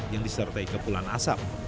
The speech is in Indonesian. yang disertai kepulan asap